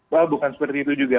wow bukan seperti itu juga